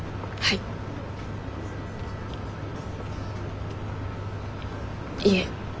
いえ。